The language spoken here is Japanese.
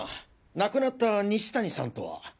亡くなった西谷さんとは？